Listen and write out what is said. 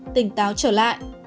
tỉnh táo trở lại